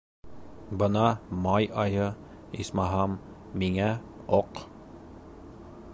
Бына май айы, исмаһам, миңә оҡ...